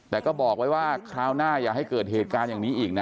แต่ก็บอกไว้ว่าคราวหน้าอย่าให้เกิดเหตุการณ์อย่างนี้อีกนะ